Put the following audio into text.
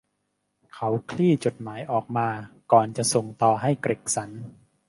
เขาคลี่จดหมายออกมาก่อนจะส่งต่อให้เกร็กสัน